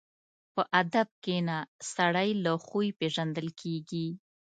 په ادب کښېنه، سړی له خوی پېژندل کېږي.